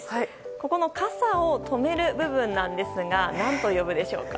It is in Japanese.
ここの傘を留める部分なんですが何と呼ぶでしょうか？